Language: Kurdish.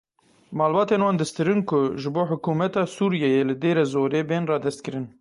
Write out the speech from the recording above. Malbatên wan distirin ku ji bo hikûmeta Sûriyeyê li Dêrezorê bên radestkirin.